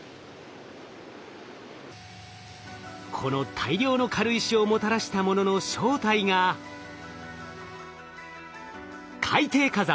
この大量の軽石をもたらしたものの正体が海底火山